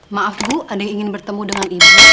maaf bu ada yang ingin bertemu dengan ibu